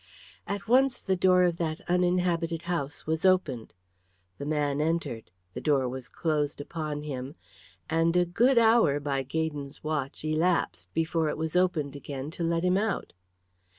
At once the door of that uninhabited house was opened. The man entered, the door was closed upon him, and a good hour by Gaydon's watch elapsed before it was opened again to let him out.